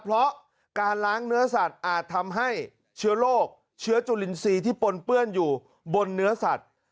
เพราะการล้างเนื้อสัตว์อาจทำให้เชื้อโรคเชื้อจุลินทรีย์ที่ปนเปื้อนอยู่บนเนื้อสัตว์